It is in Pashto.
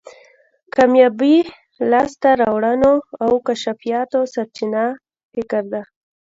کامیابی، لاسته راوړنو او کشفیاتو سرچینه فکر دی.